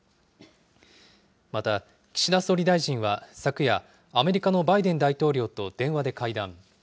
また、岸田総理大臣は昨夜、アメリカのバイデン大統領と電話で会談。